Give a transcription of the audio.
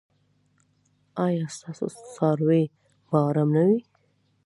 ایا ستاسو څاروي به ارام نه وي؟